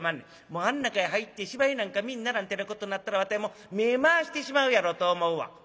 もうあん中へ入って芝居なんか見んならんてなことなったらわたいもう目ぇ回してしまうやろうと思うわ」。